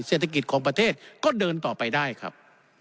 เศรษฐกิจของประเทศก็เดินต่อไปได้ครับ